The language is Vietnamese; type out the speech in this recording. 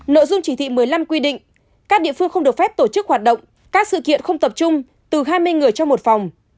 nội dung chỉ thị một mươi năm quy định các địa phương không được phép tổ chức hoạt động các sự kiện không tập trung từ hai mươi người trong một phòng